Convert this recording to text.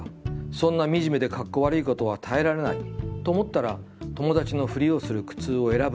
そんなミジメでかっこ悪いことは耐えられない』と思ったら、『友達のふりをする苦痛』を選ぶといいと思います。